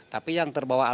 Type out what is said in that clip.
tapi yang terbawa arus air